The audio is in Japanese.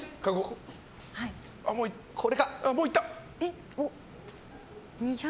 もういった。